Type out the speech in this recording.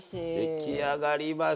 出来上がりました。